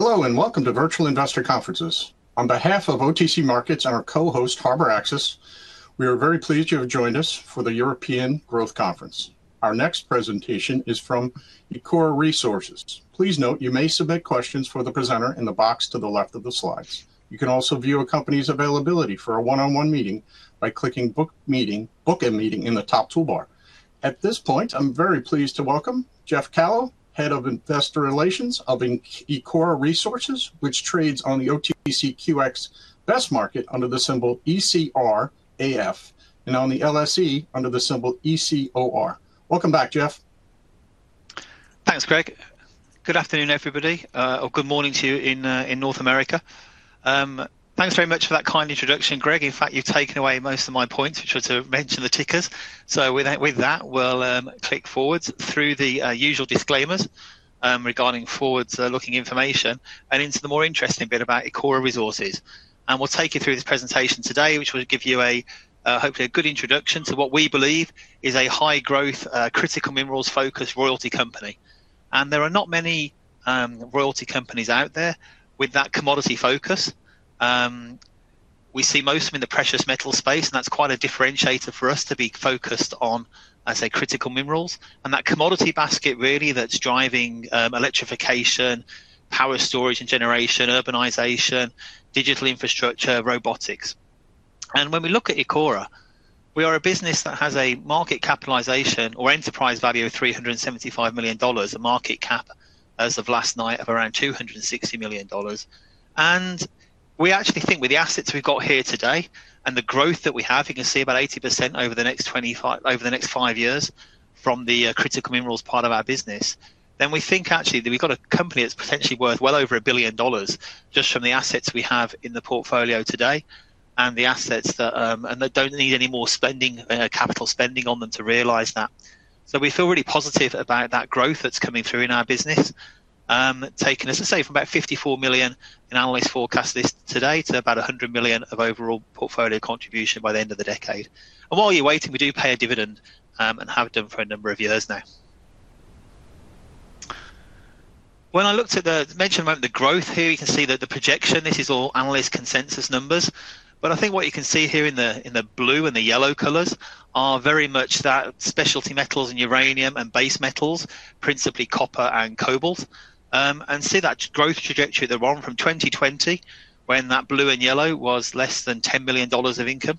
Hello and welcome to Virtual Investor Conferences. On behalf of OTC Markets and our co-host, Harbor Axis, we are very pleased you have joined us for the European Growth Conference. Our next presentation is from Ecora Resources. Please note you may submit questions for the presenter in the box to the left of the slides. You can also view a company's availability for a one-on-one meeting by clicking "Book a Meeting" in the top toolbar. At this point, I'm very pleased to welcome Geoff Callow, Head of Investor Relations of Ecora Resources, which trades on the OTCQX Best Market under the symbol ECRAF and on the LSE under the symbol ECOR. Welcome back, Geoff. Thanks, Greg. Good afternoon, everybody. Or good morning to you in North America. Thanks very much for that kind introduction, Greg. In fact, you've taken away most of my points, which was to mention the tickers. With that, we'll click forwards through the usual disclaimers regarding forward-looking information and into the more interesting bit about Ecora Resources. We'll take you through this presentation today, which will give you a hopefully good introduction to what we believe is a high-growth, critical minerals-focused royalty company. There are not many royalty companies out there with that commodity focus. We see most of them in the precious metals space, and that's quite a differentiator for us to be focused on, as I say, critical minerals. That commodity basket really is what's driving electrification, power storage and generation, urbanization, digital infrastructure, robotics. When we look at Ecora, we are a business that has a market capitalization or enterprise value of $375 million, a market cap as of last night of around $260 million. We actually think with the assets we've got here today and the growth that we have, you can see about 80% over the next five years from the critical minerals part of our business. We think actually that we've got a company that's potentially worth well over $1 billion just from the assets we have in the portfolio today and the assets that don't need any more capital spending on them to realize that. We feel really positive about that growth that's coming through in our business, taking, as I say, from about $54 million in analyst forecasts today to about $100 million of overall portfolio contribution by the end of the decade. While you're waiting, we do pay a dividend and have done for a number of years now. When I looked at the mention about the growth here, you can see that the projection, this is all analyst consensus numbers. I think what you can see here in the blue and the yellow colors are very much that specialty metals and uranium and base metals, principally copper and cobalt. You can see that growth trajectory that we're on from 2020, when that blue and yellow was less than $10 million of income,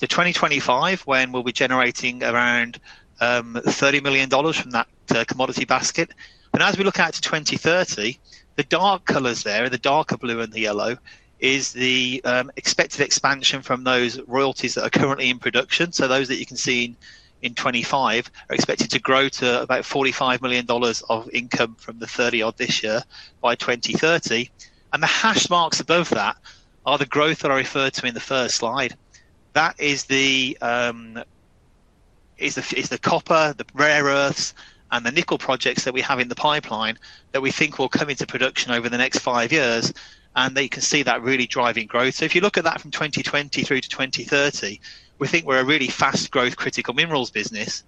to 2025, when we'll be generating around $30 million from that commodity basket. As we look out to 2030, the dark colors there, the darker blue and the yellow, is the expected expansion from those royalties that are currently in production. Those that you can see in 2025 are expected to grow to about $45 million of income from the $30 million of this year by 2030. The hash marks above that are the growth that I referred to in the first slide. That is the copper, the rare earths, and the nickel projects that we have in the pipeline that we think will come into production over the next five years. You can see that really driving growth. If you look at that from 2020 through to 2030, we think we're a really fast growth critical minerals business.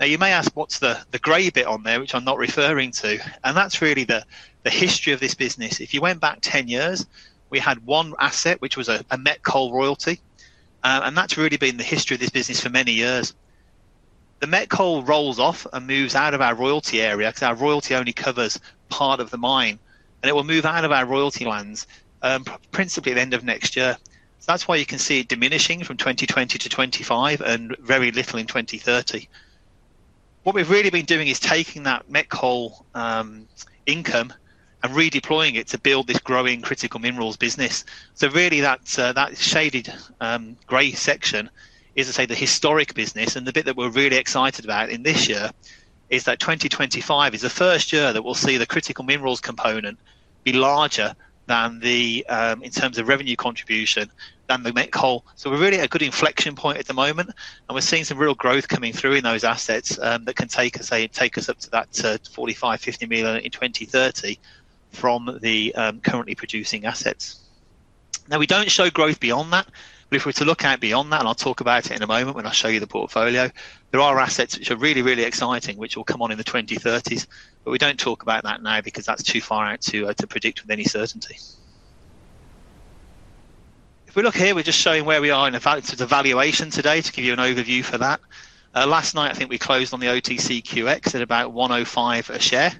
You may ask, what's the gray bit on there, which I'm not referring to? That's really the history of this business. If you went back 10 years, we had one asset, which was a met coal royalty. That's really been the history of this business for many years. The met coal rolls off and moves out of our royalty area because our royalty only covers part of the mine. It will move out of our royalty lands principally at the end of next year. That's why you can see it diminishing from 2020 to 2025 and very little in 2030. What we've really been doing is taking that met coal income and redeploying it to build this growing critical minerals business. That shaded gray section is, as I say, the historic business. The bit that we're really excited about in this year is that 2025 is the first year that we'll see the critical minerals component be larger in terms of revenue contribution than the met coal. We're really at a good inflection point at the moment. We're seeing some real growth coming through in those assets that can take us up to that $45 million, $50 million in 2030 from the currently producing assets. We don't show growth beyond that. If we were to look at beyond that, and I'll talk about it in a moment when I show you the portfolio, there are assets which are really, really exciting, which will come on in the 2030s. We don't talk about that now because that's too far out to predict with any certainty. If we look here, we're just showing where we are in the valuation today to give you an overview for that. Last night, I think we closed on the OTCQX at about $1.05 a share.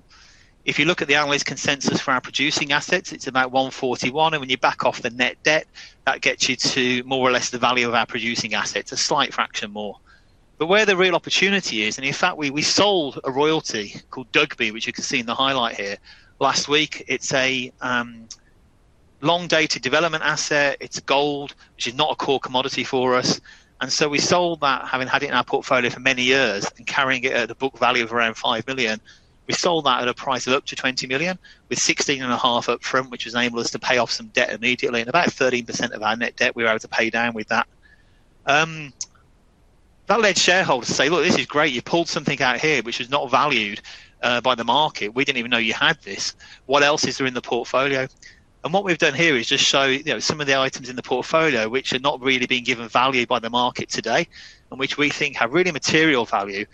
If you look at the analyst consensus for our producing assets, it's about $1.41. When you back off the net debt, that gets you to more or less the value of our producing assets, a slight fraction more. Where the real opportunity is, and in fact, we sold a royalty called DUGB, which you can see in the highlight here last week. It's a long-dated development asset. It's gold, which is not a core commodity for us. We sold that, having had it in our portfolio for many years and carrying it at the book value of around $5 million. We sold that at a price of up to $20 million with $16.5 million upfront, which enabled us to pay off some debt immediately. About 13% of our net debt, we were able to pay down with that. That led shareholders to say, look, this is great. You pulled something out here which was not valued by the market. We didn't even know you had this. What else is there in the portfolio? What we've done here is just show some of the items in the portfolio which are not really being given value by the market today and which we think have really material value.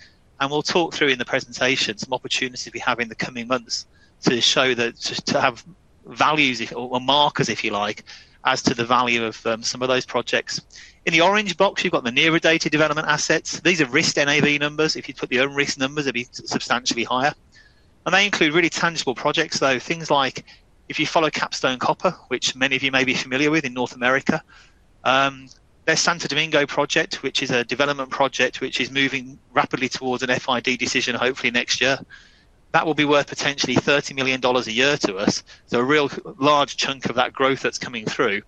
We'll talk through in the presentation some opportunities we have in the coming months to show that, just to have values or markers, if you like, as to the value of some of those projects. In the orange box, you've got the nearer-dated development assets. These are RISC 10 AV numbers. If you put your own RISC numbers, they'd be substantially higher. They include really tangible projects. Things like if you follow Capstone Copper, which many of you may be familiar with in North America, their Santo Domingo project, which is a development project moving rapidly towards an FID decision hopefully next year. That will be worth potentially $30 million a year to us, a real large chunk of that growth that's coming through.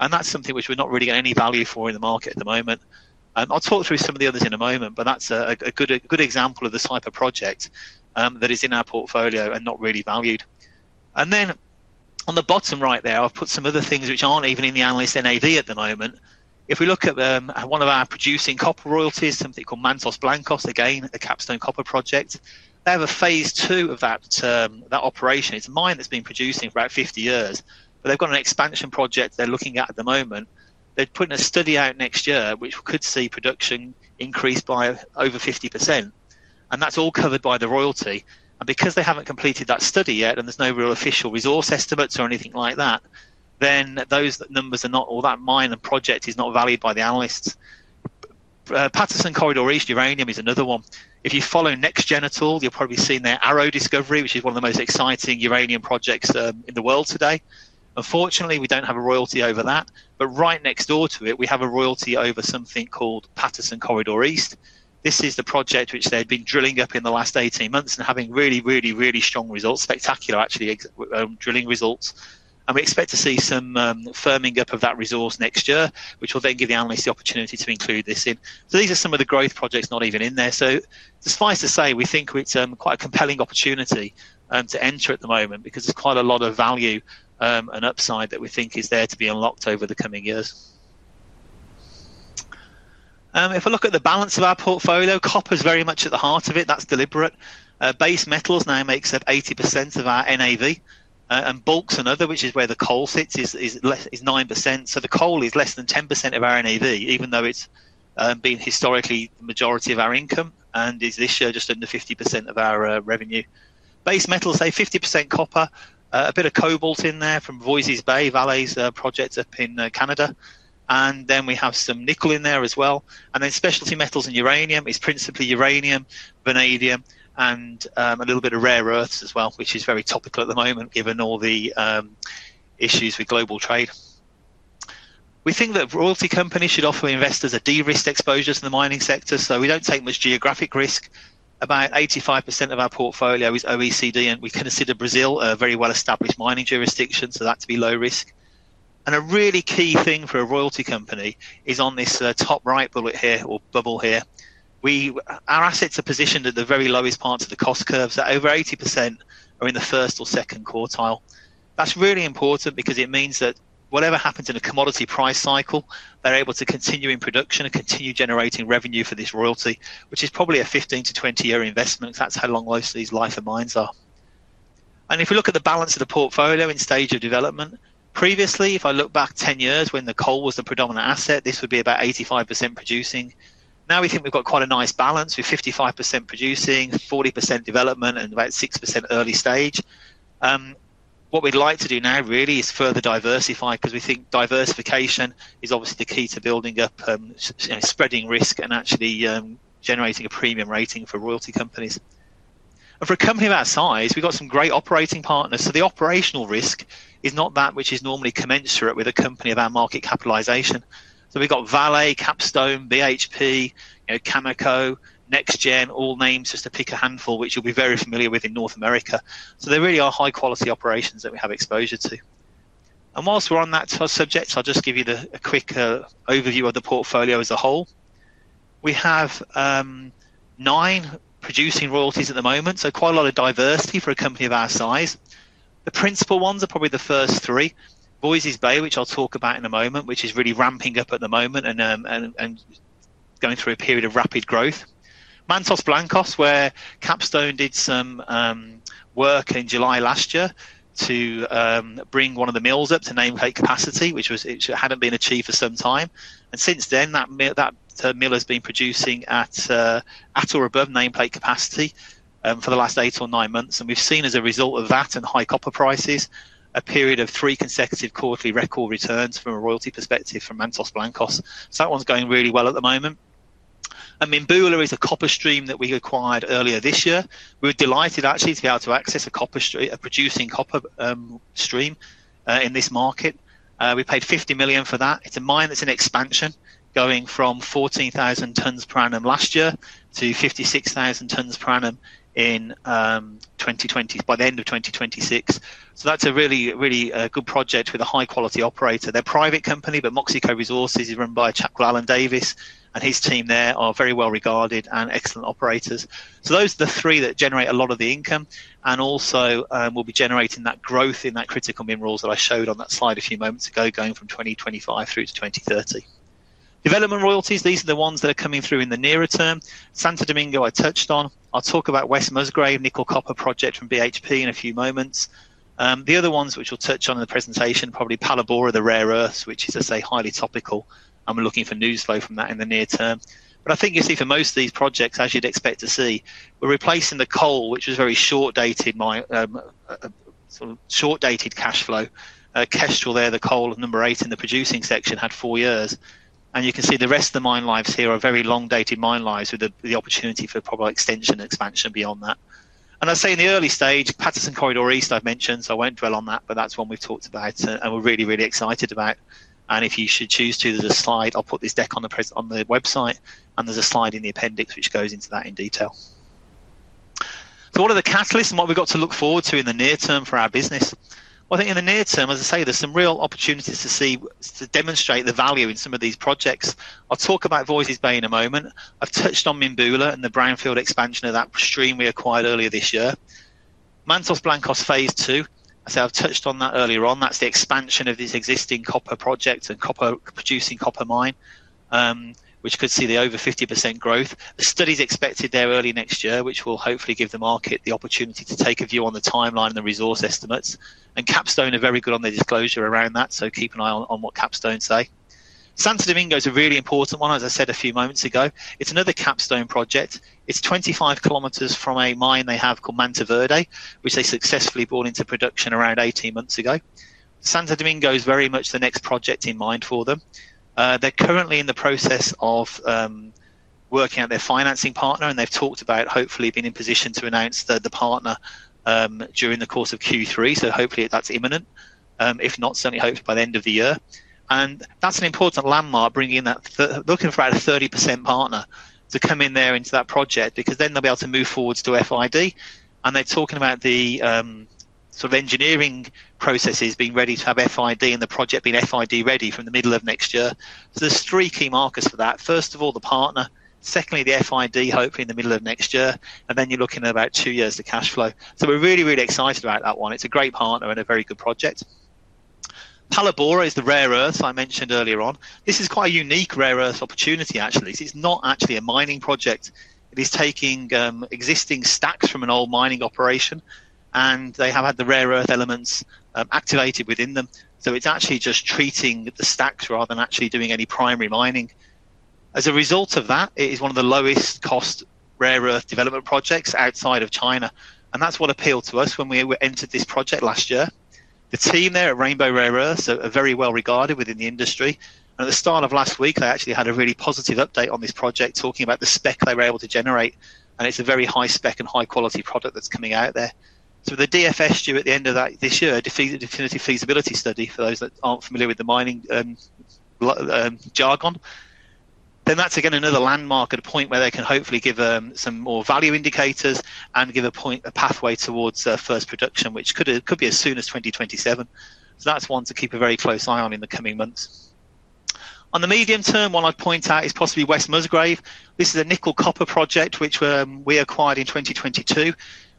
That's something which we're not really getting any value for in the market at the moment. I'll talk through some of the others in a moment, but that's a good example of the type of project that is in our portfolio and not really valued. On the bottom right there, I've put some other things which aren't even in the analyst NAV at the moment. If we look at one of our producing copper royalties, something called Mantos Blancos, again, the Capstone Copper project, they have a phase two of that operation. It's a mine that's been producing for about 50 years, but they've got an expansion project they're looking at at the moment. They're putting a study out next year which could see production increase by over 50%, and that's all covered by the royalty. Because they haven't completed that study yet and there's no real official resource estimates or anything like that, those numbers are not in that mine. The project is not valued by the analysts. Patterson Corridor East Uranium is another one. If you follow NexGen, you'll probably see their Arrow discovery, which is one of the most exciting uranium projects in the world today. Unfortunately, we don't have a royalty over that. Right next door to it, we have a royalty over something called Patterson Corridor East. This is the project which they've been drilling up in the last 18 months and having really, really, really strong results, spectacular actually drilling results. We expect to see some firming up of that resource next year, which will then give the analysts the opportunity to include this in. These are some of the growth projects not even in there. It is suffice to say, we think it's quite a compelling opportunity to enter at the moment because there's quite a lot of value and upside that we think is there to be unlocked over the coming years. If we look at the balance of our portfolio, copper is very much at the heart of it. That's deliberate. Base metals now make up 80% of our NAV. Bulks and other, which is where the coal sits, is 9%. The coal is less than 10% of our NAV, even though it's been historically the majority of our income and is this year just under 50% of our revenue. Base metals, say 50% copper, a bit of cobalt in there from Voisey’s Bay, Vale's project up in Canada. We have some nickel in there as well. Specialty metals and uranium is principally uranium, vanadium, and a little bit of rare earths as well, which is very topical at the moment given all the issues with global trade. We think that royalty companies should offer investors a de-risked exposure to the mining sector. We don't take much geographic risk. About 85% of our portfolio is OECD, and we consider Brazil a very well-established mining jurisdiction. That is to be low risk. A really key thing for a royalty company is on this top right bubble here. Our assets are positioned at the very lowest parts of the cost curve. Over 80% are in the first or second quartile. That is really important because it means that whatever happens in a commodity price cycle, they're able to continue in production and continue generating revenue for this royalty, which is probably a 15-20 year investment. That's how long most of these lifes of mines are. If we look at the balance of the portfolio in stage of development, previously, if I look back 10 years when the coal was the predominant asset, this would be about 85% producing. Now we think we've got quite a nice balance with 55% producing, 40% development, and about 6% early stage. What we'd like to do now really is further diversify because we think diversification is obviously the key to building up, spreading risk, and actually generating a premium rating for royalty companies. For a company of our size, we've got some great operating partners. The operational risk is not that which is normally commensurate with a company of our market capitalization. We've got Vale, Capstone, BHP, Cameco, NexGen, all names just to pick a handful, which you'll be very familiar with in North America. There really are high-quality operations that we have exposure to. Whilst we're on those subjects, I'll just give you a quick overview of the portfolio as a whole. We have nine producing royalties at the moment, so quite a lot of diversity for a company of our size. The principal ones are probably the first three. Voisey’s Bay, which I'll talk about in a moment, is really ramping up at the moment and going through a period of rapid growth. Mantos Blancos, where Capstone did some work in July last year to bring one of the mills up to nameplate capacity, which hadn't been achieved for some time. Since then, that mill has been producing at or above nameplate capacity for the last eight or nine months. We've seen as a result of that and high copper prices, a period of three consecutive quarterly record returns from a royalty perspective from Mantos Blancos. That one's going really well at the moment. Mimbula is a copper stream that we acquired earlier this year. We're delighted actually to be able to access a producing copper stream in this market. We paid $50 million for that. It's a mine that's in expansion, going from 14,000 tons per annum last year to 56,000 tons per annum by the end of 2026. That's a really, really good project with a high-quality operator. They're a private company, but Moxico Resources is run by Chief Alan Davies, and his team there are very well regarded and excellent operators. Those are the three that generate a lot of the income and also will be generating that growth in that critical minerals that I showed on that slide a few moments ago, going from 2025 through to 2030. Development royalties, these are the ones that are coming through in the nearer term. Santo Domingo, I touched on. I'll talk about West Musgrave nickel copper project from BHP in a few moments. The other ones which we'll touch on in the presentation, probably Phalaborwa, the rare earth, which is, as I say, highly topical. We're looking for new flow from that in the near term. I think you see for most of these projects, as you'd expect to see, we're replacing the coal, which was very short-dated, sort of short-dated cash flow. Cash flow there, the coal of number eight in the producing section had four years. You can see the rest of the mine lives here are very long-dated mine lives with the opportunity for probable extension and expansion beyond that. In the early stage, Patterson Corridor East I've mentioned. I won't dwell on that, but that's one we've talked about and we're really, really excited about. If you should choose to, there's a slide. I'll put this deck on the website. There's a slide in the appendix which goes into that in detail. What are the catalysts and what we've got to look forward to in the near term for our business? I think in the near term, as I say, there's some real opportunities to demonstrate the value in some of these projects. I'll talk about Voisey’s Bay in a moment. I've touched on Mimbula and the brownfield expansion of that stream we acquired earlier this year. Mantos Blancos phase two, as I said, I've touched on that earlier on. That's the expansion of this existing copper project, a producing copper mine, which could see the over 50% growth. The study is expected there early next year, which will hopefully give the market the opportunity to take a view on the timeline and the resource estimates. Capstone are very good on their disclosure around that. Keep an eye on what Capstone say. Santo Domingo is a really important one, as I said a few moments ago. It's another Capstone project. It's 25 km from a mine they have called Mantoverde, which they successfully brought into production around 18 months ago. Santo Domingo is very much the next project in mind for them. They're currently in the process of working out their financing partner, and they've talked about hopefully being in position to announce the partner during the course of Q3. Hopefully that's imminent. If not, certainly hopefully by the end of the year. That's an important landmark bringing in that looking for out of 30% partner to come in there into that project because then they'll be able to move forwards to FID. They are talking about the sort of engineering processes being ready to have FID and the project being FID ready from the middle of next year. There are three key markers for that. First of all, the partner. Secondly, the FID hopefully in the middle of next year. Then you are looking at about two years to cash flow. We are really, really excited about that one. It is a great partner and a very good project. Phalaborwa is the rare earth I mentioned earlier on. This is quite a unique rare earth opportunity, actually. It is not actually a mining project. It is taking existing stacks from an old mining operation, and they have had the rare earth elements activated within them. It is actually just treating the stacks rather than actually doing any primary mining. As a result of that, it is one of the lowest cost rare earth development projects outside of China. That is what appealed to us when we entered this project last year. The team there at Rainbow Rare Earths are very well regarded within the industry. At the start of last week, I actually had a really positive update on this project talking about the spec they were able to generate. It is a very high spec and high-quality product that is coming out there. With the DFS due at the end of this year, a definitive feasibility study for those that are not familiar with the mining jargon, that is again another landmark at a point where they can hopefully give some more value indicators and give a pathway towards first production, which could be as soon as 2027. That is one to keep a very close eye on in the coming months. On the medium term, what I would point out is possibly West Musgrave. This is a nickel copper project which we acquired in 2022.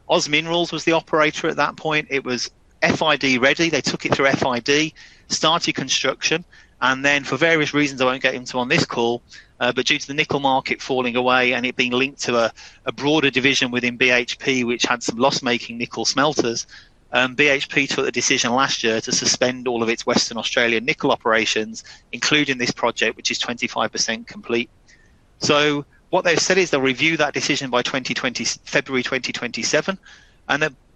OZ Minerals was the operator at that point. It was FID ready. They took it through FID, started construction, and then for various reasons I will not get into on this call, but due to the nickel market falling away and it being linked to a broader division within BHP, which had some loss-making nickel smelters, BHP took the decision last year to suspend all of its Western Australian nickel operations, including this project, which is 25% complete. They have said they will review that decision by February 2027.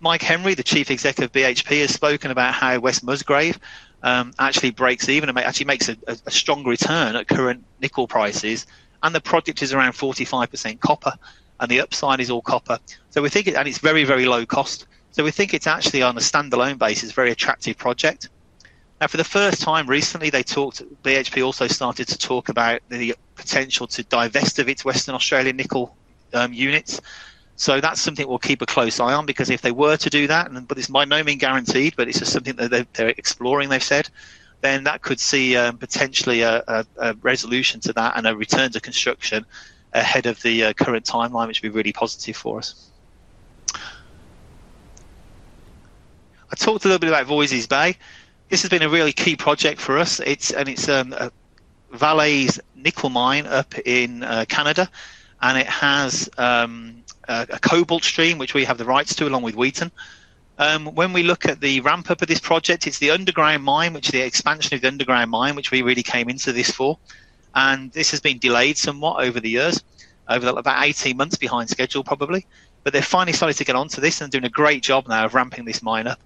Mike Henry, the Chief Executive of BHP, has spoken about how West Musgrave actually breaks even and actually makes a strong return at current nickel prices. The product is around 45% copper and the upside is all copper. We think it is very, very low cost. We think it's actually on a standalone basis, a very attractive project. For the first time recently, they talked, BHP also started to talk about the potential to divest of its Western Australian nickel units. That's something we'll keep a close eye on because if they were to do that, it's by no means guaranteed, but it's just something that they're exploring, they've said, that could see potentially a resolution to that and a return to construction ahead of the current timeline, which would be really positive for us. I talked a little bit about Voisey’s Bay. This has been a really key project for us. It's a Vale nickel mine up in Canada, and it has a cobalt stream, which we have the rights to along with Wheaton. When we look at the ramp-up of this project, it's the underground mine, which is the expansion of the underground mine, which we really came into this for. This has been delayed somewhat over the years, over about 18 months behind schedule, probably. They've finally started to get onto this and are doing a great job now of ramping this mine up.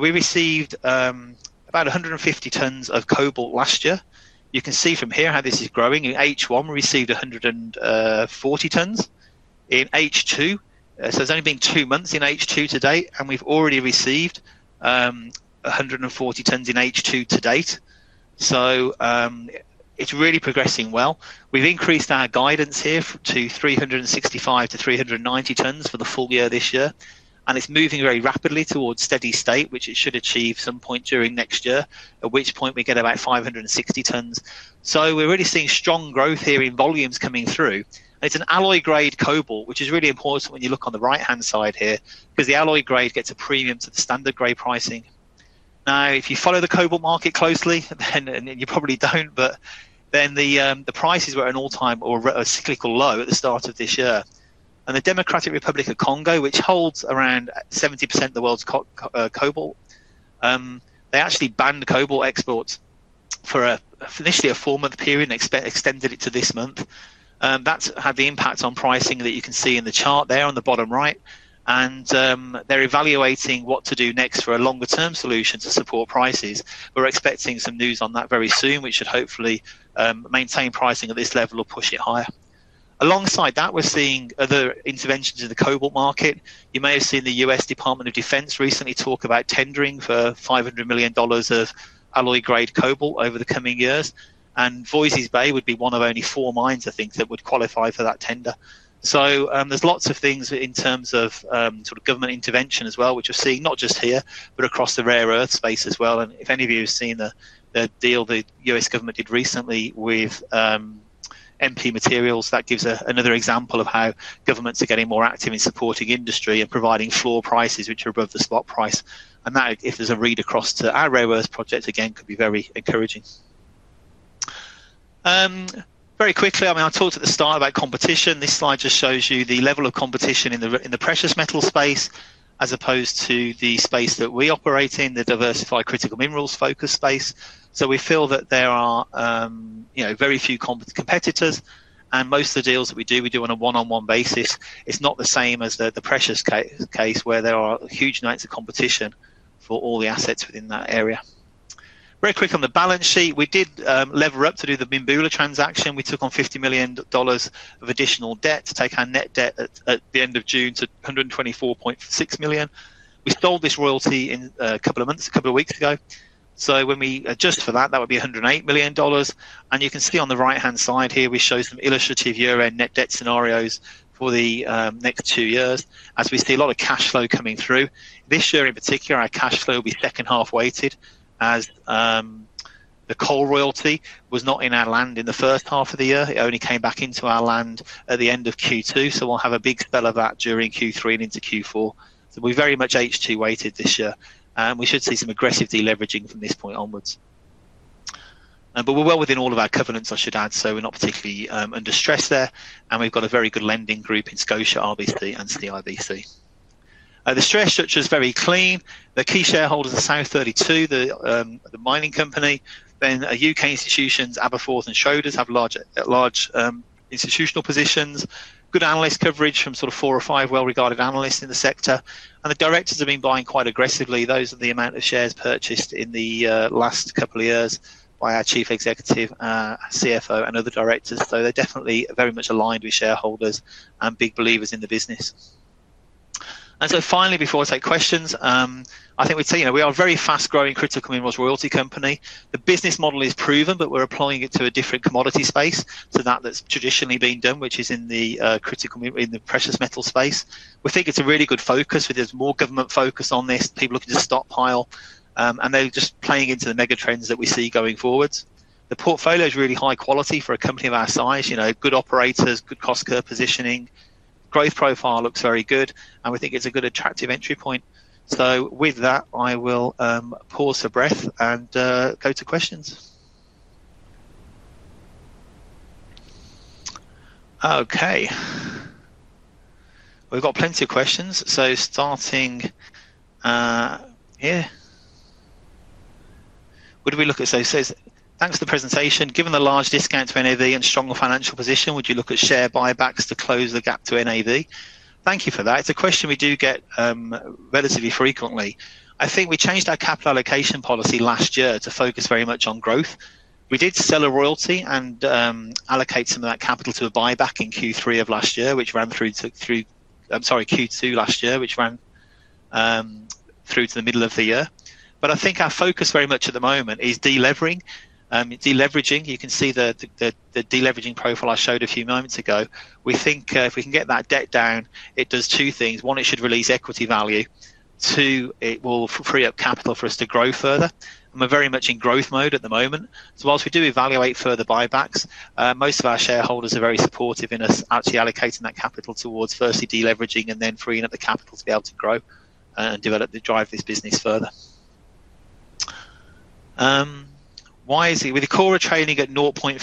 We received about 150 tons of cobalt last year. You can see from here how this is growing. In H1, we received 140 tons. In H2, it's only been two months in H2 to date, and we've already received 140 tons in H2 to date. It's really progressing well. We've increased our guidance here to 365-390 tons for the full year this year. It's moving very rapidly towards steady state, which it should achieve at some point during next year, at which point we get about 560 tons. We're really seeing strong growth here in volumes coming through. It's an alloy-grade cobalt, which is really important when you look on the right-hand side here because the alloy grade gets a premium to the standard grade pricing. If you follow the cobalt market closely, then you probably don't, but the prices were at an all-time or a cyclical low at the start of this year. The Democratic Republic of Congo, which holds around 70% of the world's cobalt, actually banned cobalt exports for initially a four-month period and extended it to this month. That's had the impact on pricing that you can see in the chart there on the bottom right. They're evaluating what to do next for a longer-term solution to support prices. We're expecting some news on that very soon, which should hopefully maintain pricing at this level or push it higher. Alongside that, we're seeing other interventions in the cobalt market. You may have seen the U.S. Department of Defense recently talk about tendering for $500 million of alloy-grade cobalt over the coming years. And Voisey’s Bay would be one of only four mines, I think, that would qualify for that tender. There are lots of things in terms of sort of government intervention as well, which we're seeing not just here, but across the rare earth space as well. If any of you have seen the deal the U.S. government did recently with MP Materials, that gives another example of how governments are getting more active in supporting industry and providing floor prices, which are above the spot price. If there's a read across to our rare earth project, again, it could be very encouraging. Very quickly, I talked at the start about competition. This slide just shows you the level of competition in the precious metal space as opposed to the space that we operate in, the diversified critical minerals focus space. We feel that there are very few competitors, and most of the deals that we do, we do on a one-on-one basis. It's not the same as the precious case where there are huge amounts of competition for all the assets within that area. Very quickly, on the balance sheet, we did lever up to do the Mimbula transaction. We took on $50 million of additional debt to take our net debt at the end of June to $124.6 million. We sold this royalty a couple of months, a couple of weeks ago. When we adjust for that, that would be $108 million. You can see on the right-hand side here, we show some illustrative year-end net debt scenarios for the next two years, as we see a lot of cash flow coming through. This year in particular, our cash flow will be second half weighted, as the coal royalty was not in our land in the first half of the year. It only came back into our land at the end of Q2. We'll have a big spell of that during Q3 and into Q4. We're very much H2 weighted this year, and we should see some aggressive deleveraging from this point onwards. We're well within all of our covenants, I should add, so we're not particularly under stress there. We've got a very good lending group in Scotia, RBC, and CIBC. The share structure is very clean. The key shareholders are South32, the mining company. Then UK institutions, [ABA], Forth, and Schroders have large institutional positions. Good analyst coverage from four or five well-regarded analysts in the sector. The directors have been buying quite aggressively. Those are the amount of shares purchased in the last couple of years by our Chief Executive, our CFO, and other directors. They're definitely very much aligned with shareholders and big believers in the business. Finally, before I take questions, I think we'd say we are a very fast-growing critical minerals royalty company. The business model is proven, but we're applying it to a different commodity space than that's traditionally been done, which is in the precious metal space. We think it's a really good focus. There's more government focus on this. People are looking to stockpile, and they're just playing into the megatrends that we see going forwards. The portfolio is really high quality for a company of our size. Good operators, good cost curve positioning. Growth profile looks very good, and we think it's a good attractive entry point. With that, I will pause for breath and go to questions. OK. We've got plenty of questions. Starting here. What do we look at? It says, thanks for the presentation. Given the large discounts for NAV and stronger financial position, would you look at share buybacks to close the gap to NAV? Thank you for that. It's a question we do get relatively frequently. I think we changed our capital allocation policy last year to focus very much on growth. We did sell a royalty and allocate some of that capital to a buyback in Q2 last year, which ran through to the middle of the year. I think our focus very much at the moment is deleveraging. You can see the deleveraging profile I showed a few moments ago. We think if we can get that debt down, it does two things. One, it should release equity value. Two, it will free up capital for us to grow further. We're very much in growth mode at the moment. Whilst we do evaluate further buybacks, most of our shareholders are very supportive in us actually allocating that capital towards firstly deleveraging and then freeing up the capital to be able to grow and develop the drive of this business further. Why is it with Ecora trading at 0.5x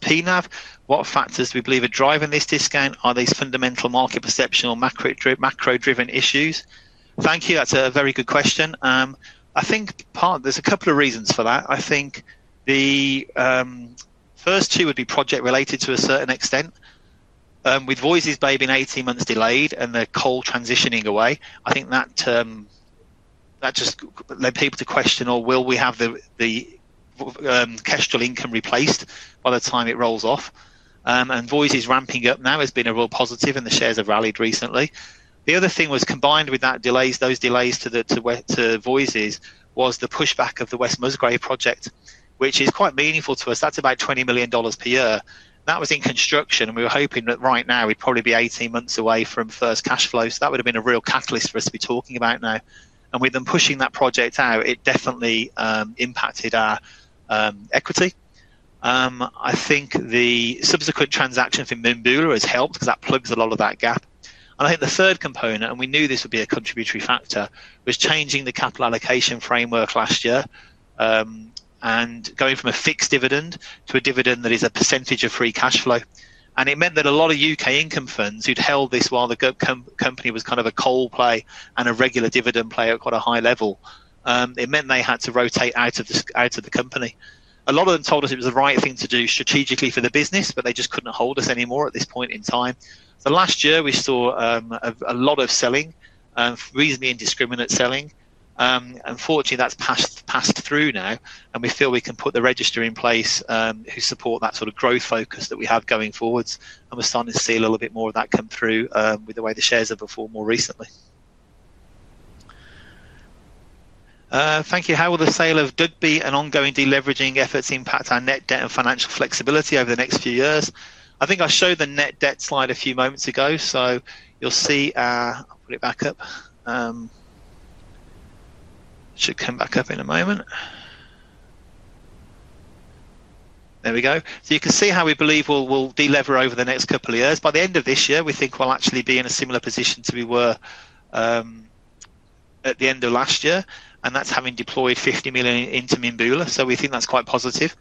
PNAV? What factors do we believe are driving this discount? Are these fundamental market perception or macro-driven issues? Thank you. That's a very good question. I think part of there's a couple of reasons for that. I think the first two would be project-related to a certain extent. With Voisey’s Bay being 18 months delayed and the coal transitioning away, I think that just led people to question, or will we have the cash flow income replaced by the time it rolls off? Voisey’s ramping up now has been a real positive, and the shares have rallied recently. The other thing was combined with those delays to Voisey’s was the pushback of the West Musgrave project, which is quite meaningful to us. That's about $20 million per year. That was in construction. We were hoping that right now we'd probably be 18 months away from first cash flow. That would have been a real catalyst for us to be talking about now. With them pushing that project out, it definitely impacted our equity. I think the subsequent transaction from Mimbula has helped because that plugs a lot of that gap. I think the third component, and we knew this would be a contributory factor, was changing the capital allocation framework last year and going from a fixed dividend to a dividend that is a percentage of free cash flow. It meant that a lot of UK income funds who'd held this while the company was kind of a coal play and a regular dividend play at quite a high level, it meant they had to rotate out of the company. A lot of them told us it was the right thing to do strategically for the business, but they just couldn't hold us anymore at this point in time. The last year, we saw a lot of selling, reasonably indiscriminate selling. Unfortunately, that's passed through now. We feel we can put the register in place who support that sort of growth focus that we have going forwards. We're starting to see a little bit more of that come through with the way the shares have performed more recently. Thank you. How will the sale of DUGB gold royalty and ongoing deleveraging efforts impact our net debt and financial flexibility over the next few years? I think I showed the net debt slide a few moments ago. You'll see I'll put it back up. It should come back up in a moment. There we go. You can see how we believe we'll delever over the next couple of years. By the end of this year, we think we'll actually be in a similar position to we were at the end of last year. That's having deployed $50 million into Mimbula. We think that's quite positive.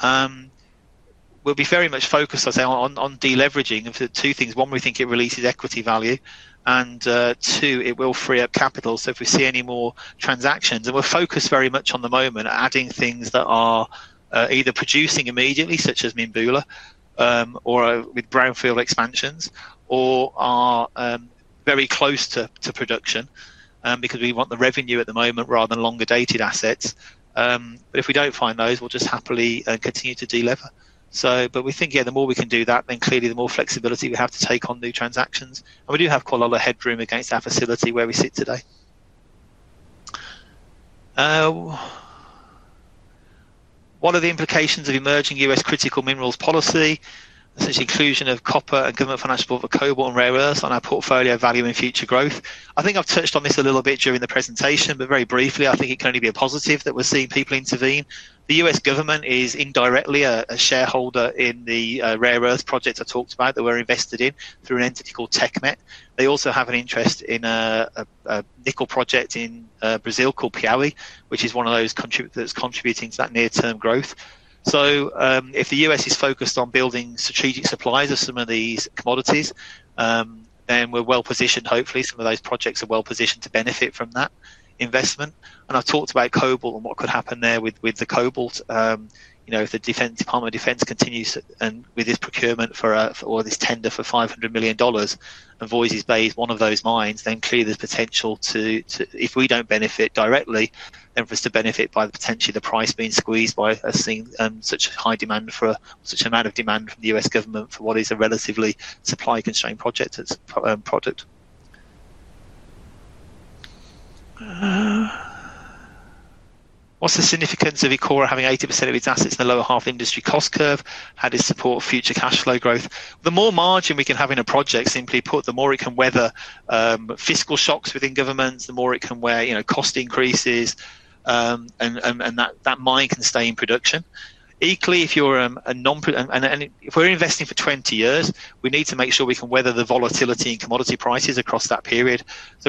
We'll be very much focused, as I say, on deleveraging for two things. One, we think it releases equity value. Two, it will free up capital. If we see any more transactions, we're focused very much at the moment on adding things that are either producing immediately, such as Mimbula, or with brownfield expansions, or are very close to production because we want the revenue at the moment rather than longer-dated assets. If we don't find those, we'll just happily continue to deliver. We think the more we can do that, then clearly the more flexibility we have to take on new transactions. We do have quite a lot of headroom against our facility where we sit today. What are the implications of emerging U.S. critical minerals policy? There's inclusion of copper and government financial cobalt and rare earths on our portfolio value and future growth. I think I've touched on this a little bit during the presentation, but very briefly, I think it can only be a positive that we're seeing people intervene. The U.S. government is indirectly a shareholder in the rare earth projects I talked about that we're invested in through an entity called TechMet. They also have an interest in a nickel project in Brazil called Piauí, which is one of those that's contributing to that near-term growth. If the U.S. is focused on building strategic suppliers of some of these commodities, then we're well positioned. Hopefully, some of those projects are well positioned to benefit from that investment. I talked about cobalt and what could happen there with the cobalt. If the Department of Defense continues with this procurement or this tender for $500 million and Voisey’s Bay is one of those mines, then clearly there's potential to, if we don't benefit directly, then for us to benefit by potentially the price being squeezed by us seeing such a high demand for such an amount of demand from the U.S. government for what is a relatively supply-constrained project. What's the significance of Ecora Resources having 80% of its assets in the lower half industry cost curve? How does it support future cash flow growth? The more margin we can have in a project, simply put, the more it can weather fiscal shocks within governments, the more it can wear cost increases, and that mine can stay in production. Equally, if you're a nonprofit, and if we're investing for 20 years, we need to make sure we can weather the volatility in commodity prices across that period.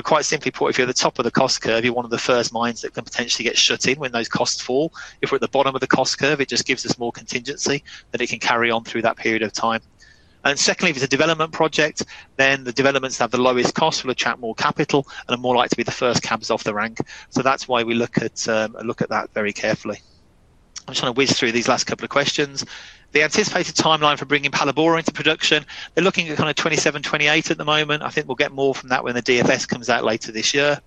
Quite simply put, if you're at the top of the cost curve, you're one of the first mines that can potentially get shut in when those costs fall. If we're at the bottom of the cost curve, it just gives us more contingency that it can carry on through that period of time. Secondly, if it's a development project, then the developments that have the lowest cost will attract more capital and are more likely to be the first cabs off the rank. That's why we look at that very carefully. I'm just going to whiz through these last couple of questions. The anticipated timeline for bringing Phalaborwa into production, they're looking at kind of 2027, 2028 at the moment. I think we'll get more from that when the DFS comes out later this year.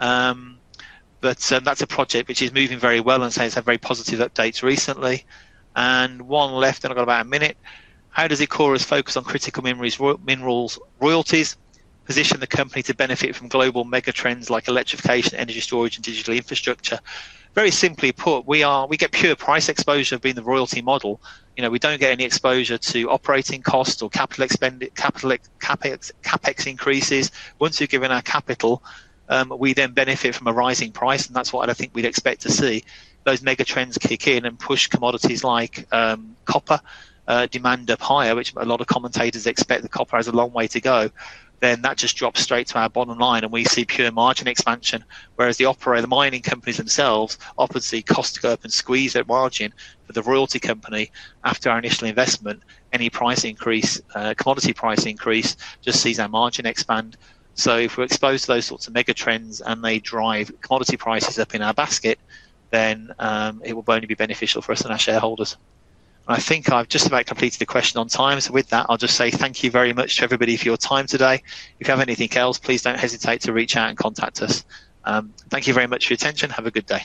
That's a project which is moving very well and has had very positive updates recently. One left, and I've got about a minute. How does Ecora's focus on critical minerals royalties position the company to benefit from global megatrends like electrification, energy storage, and digital infrastructure? Very simply put, we get pure price exposure of being the royalty model. We don't get any exposure to operating costs or capital CapEx increases. Once we've given our capital, we then benefit from a rising price. That's what I think we'd expect to see. Those megatrends kick in and push commodities like copper demand up higher, which a lot of commentators expect the copper has a long way to go. That just drops straight to our bottom line, and we see pure margin expansion. Whereas the operator, the mining companies themselves, often see cost curve and squeeze their margin for the royalty company after our initial investment. Any price increase, commodity price increase, just sees our margin expand. If we're exposed to those sorts of megatrends and they drive commodity prices up in our basket, then it will only be beneficial for us and our shareholders. I think I've just about completed the question on time. With that, I'll just say thank you very much to everybody for your time today. If you have anything else, please don't hesitate to reach out and contact us. Thank you very much for your attention. Have a good day.